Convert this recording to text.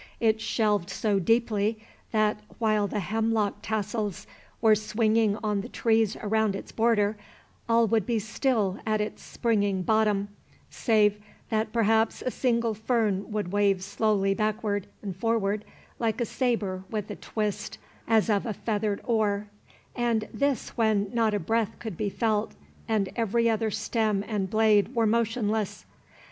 It shelved so deeply, that, while the hemlock tassels were swinging on the trees around its border, all would be still at its springy bottom, save that perhaps a single fern would wave slowly backward and forward like a sabre with a twist as of a feathered oar, and this when not a breath could be felt, and every other stem and blade were motionless.